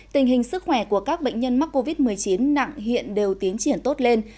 tình hình sức khỏe của các bệnh nhân mắc covid một mươi chín nặng hiện đều tiến triển tốt lên